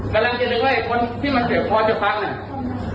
กำลังจะนึกว่าไอ้คนที่มาเสือกพ่อจะฟังเนี่ย